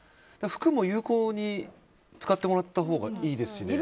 服も有効に使ってもらったほうがいいですし。